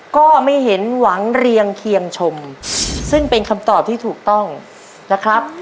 ก็ไม่เห็นหวังเรียงเคียงชมซึ่งเป็นคำตอบที่ถูกต้องนะครับ